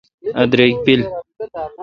ا دریک پیل۔